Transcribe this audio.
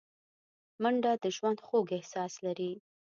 منډه د ژوند خوږ احساس لري